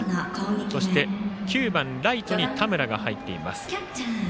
そして９番ライトに田村が入っています。